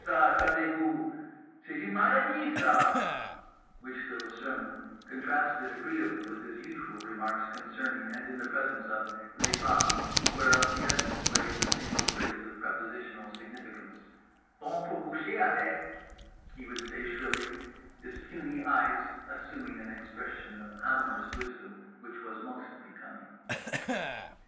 Savez vous? C'est une maladie, ça,_" which little sermon contrasted agreeably with his usual remarks concerning, and in the presence of, les femmes, whereof the essence lay in a single phrase of prepositional significance— "bon pour coucher avec" he would say shrilly, his puny eyes assuming an expression of amorous wisdom which was most becoming….